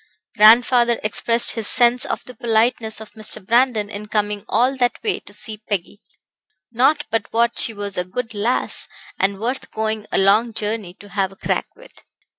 Grandfather expressed his sense of the politeness of Mr. Brandon in coming all that way to see Peggy. Not but what she was a good lass, and worth going a long journey to have a crack with.